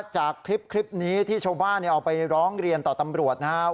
จากคลิปนี้ที่ชาวบ้านเอาไปร้องเรียนต่อตำรวจนะครับ